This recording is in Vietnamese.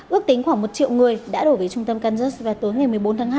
ước tính khoảng một triệu người đã đổ về trung tâm kansas vào tối ngày một mươi bốn tháng hai